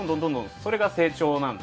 それが成長なので。